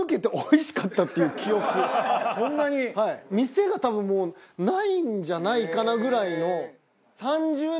店が多分もうないんじゃないかな？ぐらいの。